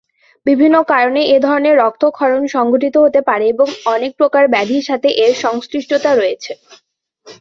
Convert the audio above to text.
বিভিন্ন কারণে এ ধরনের রক্তক্ষরণ সংঘটিত হতে পারে এবং অনেক প্রকার ব্যাধির সাথে এর সংশ্লিষ্টতা রয়েছে।